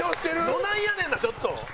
どないやねんなちょっと！